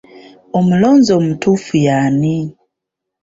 Omulonzi omutuufu y'ani?